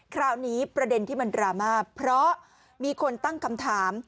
คราวนี้ประเด็นที่มันดราม่าเพราะมีคนตั้งคำถาม